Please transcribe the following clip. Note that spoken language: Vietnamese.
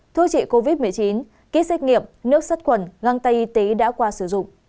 thuốc trị covid một mươi chín kết xét nghiệm nước sắt quần ngang tay y tế đã qua sử dụng